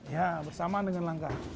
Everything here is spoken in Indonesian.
ya bersamaan dengan langkah